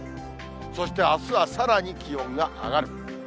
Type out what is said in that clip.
そしてあすはさらに気温が上がる。